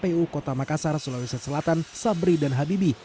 pemilihan umum kota makassar sulawesi selatan sabri dan habibi